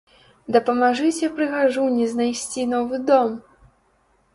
Дапамажыце прыгажуні знайсці новы дом!